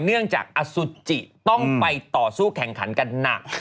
เนื่องจากอสุจิต้องไปต่อสู้แข่งขันกันหนัก